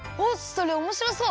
それおもしろそう！